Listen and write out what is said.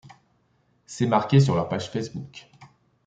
C’est marqué sur leur page Facebook.